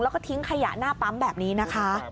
แล้วก็ทิ้งขยะหน้าปั๊มแบบนี้นะคะ